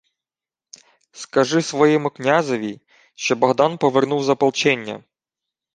— Скажи своєму князеві, що Богдан повернув з ополчення!